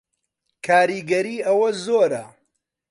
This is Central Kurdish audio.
کاریگەری ئەوە زۆرە